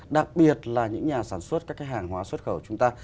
đặc biệt là những nhà sản xuất các cái hàng hóa xuất khẩu chúng ta